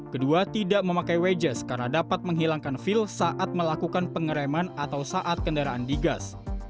kedua tidak memakai way jazz karena dapat menghilangkan feel saat melakukan pengereman atau saat kendaraan digas